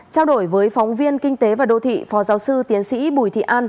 trao đổi với phóng viên kinh tế và đô thị phó giáo sư tiến sĩ bùi thị an